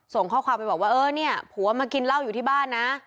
ส่งข้อความไปว่าพู่ว่าม้ากินเหล้าอยู่ที่บ้านนะ